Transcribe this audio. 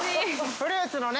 ◆フルーツのね？